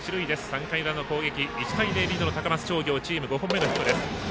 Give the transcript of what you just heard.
３回の裏の攻撃１対０、リードの高松商業チーム５本目のヒットです。